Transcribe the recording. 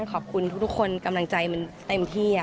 ขอบคุณทุกคนกำลังใจมันเต็มที่